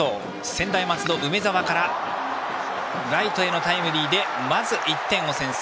専大松戸、梅澤からライトへのタイムリーでまず１点を先制。